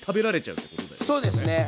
そうですね。